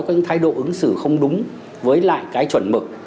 có những thái độ ứng xử không đúng với lại cái chuẩn mực